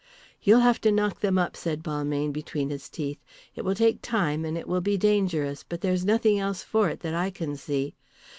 "You'll have to knock them up," said Balmayne, between his teeth. "It will take time and it will be dangerous. But there's nothing else for it that I can see.